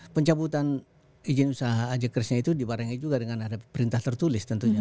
mencabutan izin usaha ojk itu diwarangi juga dengan ada perintah tertulis tentunya